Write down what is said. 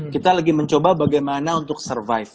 kita lagi mencoba bagaimana untuk survive